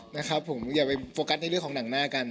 นะครับผมอย่าไปโฟกัสในเรื่องของหนังหน้ากัน